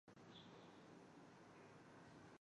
高位眶灯鱼为灯笼鱼科眶灯鱼属的鱼类。